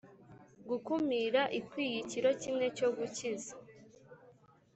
gukumira ikwiye ikiro kimwe cyo gukiza